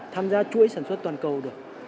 tham gia chuỗi sản xuất toàn cầu được